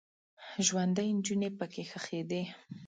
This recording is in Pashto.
ژوندۍ نجونې پکې ښخیدې.